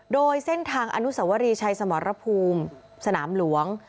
โดยเส้นทางอนุสวรีชัยสมรภูมิสนามหลวง